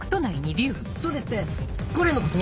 それってこれのこと？